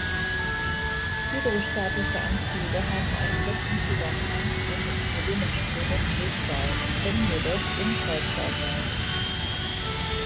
Hydrostatische Antriebe haben einen festen Zusammenhang zwischen Volumenstrom und Drehzahl, können jedoch umschaltbar sein.